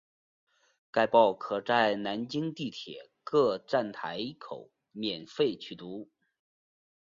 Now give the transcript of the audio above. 该报可在南京地铁各站台口免费取阅。